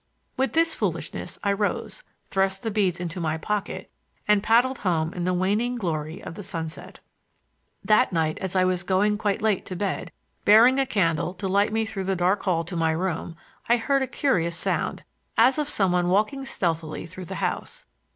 With this foolishness I rose, thrust the beads into my pocket, and paddled home in the waning glory of the sunset. That night, as I was going quite late to bed, bearing a candle to light me through the dark hall to my room, I heard a curious sound, as of some one walking stealthily through the house.